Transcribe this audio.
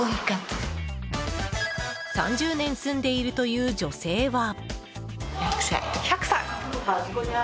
３０年住んでいるという女性は。